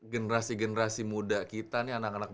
generasi generasi muda kita nih anak anak basket ini